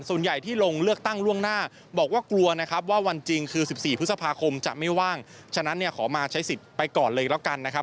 ส่วนใหญ่ที่ลงเลือกตั้งล่วงหน้าบอกว่ากลัวนะครับว่าวันจริงคือ๑๔พฤษภาคมจะไม่ว่างฉะนั้นเนี่ยขอมาใช้สิทธิ์ไปก่อนเลยแล้วกันนะครับ